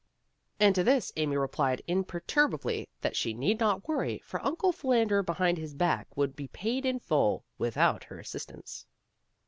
And to this, Amy replied imperturbably that she need not worry, for Uncle Philander Be hind His Back would be paid in full, without her assistance.